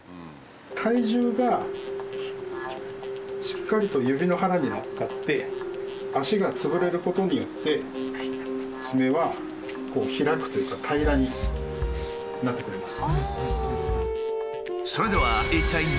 体重がしっかりと指の腹に乗っかって足が潰れることによってツメはこう開くというか平らになってくれます。